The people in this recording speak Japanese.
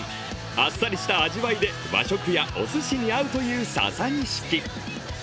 あっさりした味わいで、和食やおすしに合うというササニシキ。